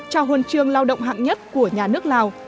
trao huân chương lao động hạng nhất của nhà nước lào